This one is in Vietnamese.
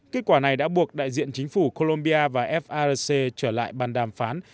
kết quả này đã buộc đại diện chính phủ colombia và farc trở lại bàn đàm phán